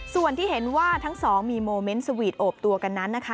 ส่วนที่เห็นว่าทั้งสองมีโมเมนต์สวีทโอบตัวกันนั้นนะคะ